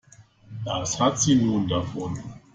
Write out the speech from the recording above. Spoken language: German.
Das hat sie nun davon.